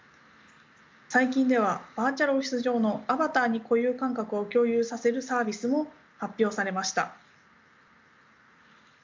最近ではバーチャルオフィス上のアバターに固有感覚を共有させるサービスも発表されました。